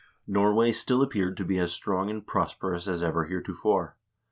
Norway still appeared to be as strong and prosperous as ever heretofore.